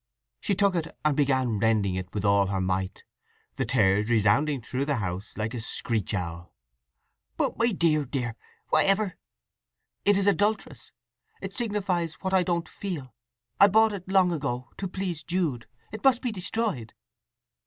She took it, and began rending it with all her might, the tears resounding through the house like a screech owl. "But my dear, dear!—whatever...." "It is adulterous! It signifies what I don't feel—I bought it long ago—to please Jude. It must be destroyed!"